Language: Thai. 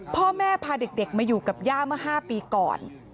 พ่อแม่พาเด็กมาอยู่กับย่าเมื่อ๕ปีก่อน